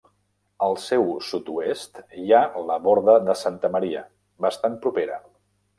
Al seu sud-oest hi ha la Borda de Santa Maria, bastant propera.